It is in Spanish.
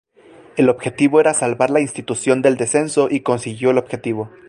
El objetivo era salvar la institución del descenso y consiguió el objetivo.